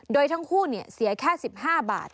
โดยทั้งคู่เสียแค่๑๕บาท